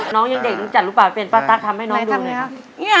น้องยังเด็กจัดรูปปากเป็นพ้าต๊าทำให้น้องดูหน่อย